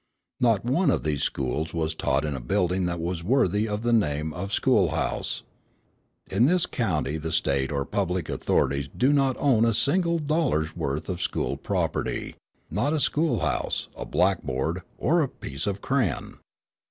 Not one of these schools was taught in a building that was worthy of the name of school house. In this county the State or public authorities do not own a single dollar's worth of school property, not a school house, a blackboard, or a piece of crayon.